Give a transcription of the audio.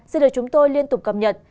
sẽ được chúng tôi liên tục cập nhật